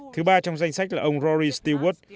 thứ ba trong danh sách là ông rory stewart